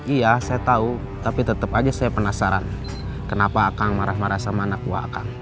iya saya tahu tapi tetap aja saya penasaran kenapa akang marah marah sama anak buah akan